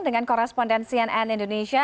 dengan koresponden cnn indonesia